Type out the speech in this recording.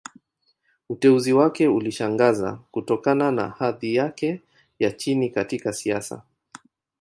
Uteuzi wake ulishangaza, kutokana na hadhi yake ya chini katika siasa.